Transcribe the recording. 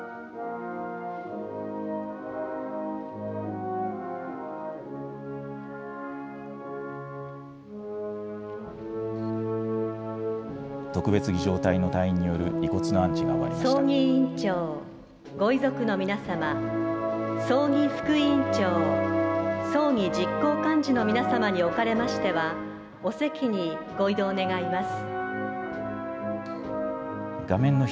葬儀委員長、ご遺族の皆様、葬儀副委員長、葬儀実行幹事会の皆様におかれましては、お席にご移動願います。